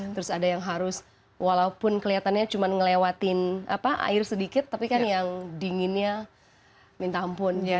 terus ada yang harus walaupun kelihatannya cuma ngelewatin air sedikit tapi kan yang dinginnya minta ampun